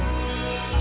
ya allah opi